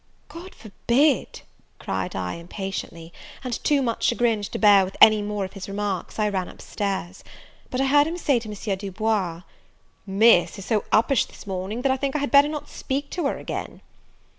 "God forbid!" cried I, impatiently; and, too much chagrined to bear with any more of his remarks, I ran up stairs; but I heard him say to M. Du Bois, "Miss is so uppish this morning, that I think I had better not speak to her again."